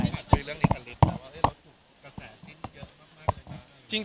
คุณผ่านไปเรื่องนี้คลิปแล้วว่าเราถูกกระแสสิ้นเยอะมากเลยครับ